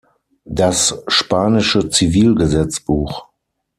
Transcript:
Das spanische Zivilgesetzbuch.